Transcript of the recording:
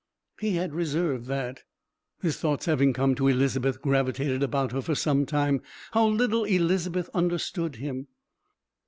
He had reserved that. His thoughts having come to Elizabeth gravitated about her for some time. How little Elizabeth understood him!